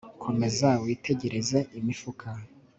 Komeza witegereze imifuka